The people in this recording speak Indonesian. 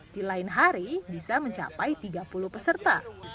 di lain hari bisa mencapai tiga puluh peserta